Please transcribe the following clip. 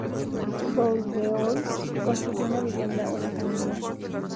Bourgeois construyó una vivienda unifamiliar.